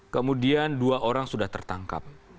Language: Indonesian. kemudian dua orang sudah tertangkap